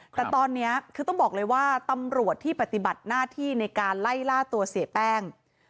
แต่ตอนนี้คือต้องบอกเลยว่าตำรวจที่ปฏิบัติหน้าที่ในการไล่ล่าตัวเสียแป้ง